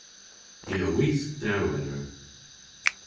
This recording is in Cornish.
Hi a wisk dewweder.